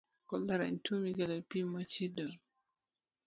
Kolera en tuwo mikelo gi pi mochido.